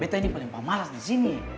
betta ini paling pemalas disini